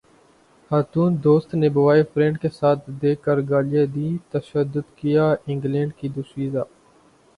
خاتون دوست نے بوائے فرینڈ کے ساتھ دیکھ کر گالیاں دیں تشدد کیا انگلینڈ کی دوشیزہ